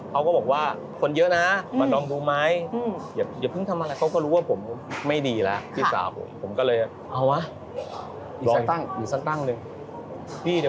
เค้าบอกว่าคนเยอะน่ะมาลองดูไม่อย่าพึ่งทำอะไรก็ทำให้เค้ารู้ว่าผมไม่ดีล๊ะ